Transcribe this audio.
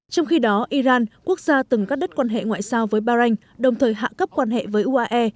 trong khi đó iran quốc gia từng cắt đứt quan hệ ngoại sao với bahrain đồng thời hạ cấp quan hệ với uae